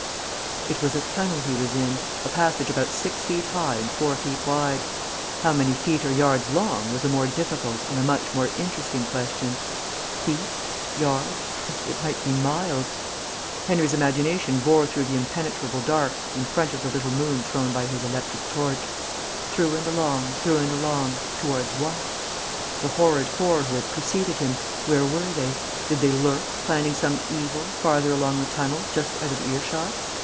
It was a tunnel he was in; a passage about six feet high and four feet wide. How many feet or yards long was a more difficult and a much more interesting question. Feet? Yards? It might be miles. Henry's imagination bored through the impenetrable dark in front of the little moon thrown by his electric torch; through and along, through and along, towards what? The horrid four who had preceded him where were they? Did they lurk, planning some evil, farther along the tunnel, just out of earshot?